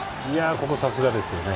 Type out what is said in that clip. ここ、さすがですよね。